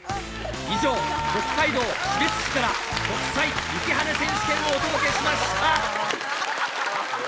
以上北海道士別市から国際雪ハネ選手権をお届けしました。